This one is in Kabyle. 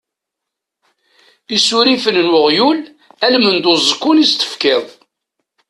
Isurifen n uɣyul almend uẓekkun i s-tefkiḍ.